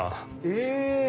え！